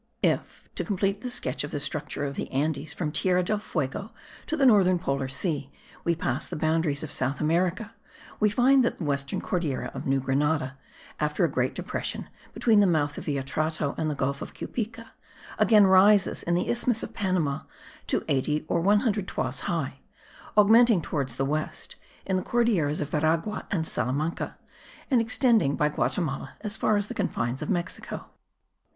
If, to complete the sketch of the structure of the Andes from Tierra del Fuego to the northern Polar Sea, we pass the boundaries of South America, we find that the western Cordillera of New Grenada, after a great depression between the mouth of the Atrato and the gulf of Cupica, again rises in the isthmus of Panama to 80 or 100 toises high, augmenting towards the west, in the Cordilleras of Veragua and Salamanca,* and extending by Guatimala as far as the confines of Mexico.